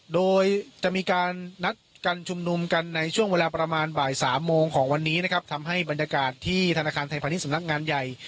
โดยจะมีการนัดกันชุมนุมกันในช่วงเวลาประมาณบ่ายสามโมงของวันนี้นะครับทำให้บรรยากาศที่ธนาคารไทยพาณิชสำนักงานใหญ่